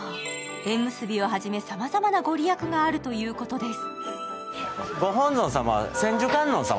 縁結びをはじめ、さまざまな御利益があるということです。